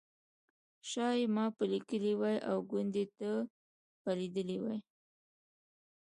شایي ما به لیکلي وي او ګوندې ده به لیدلي وي.